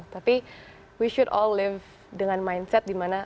tapi kita harus semua hidup dengan mindset di mana